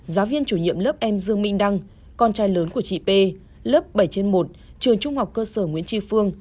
các em dương minh đăng con trai lớn của chị p lớp bảy trên một trường trung học cơ sở nguyễn tri phương